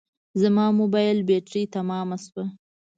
زما موبایل بټري تمامه شوه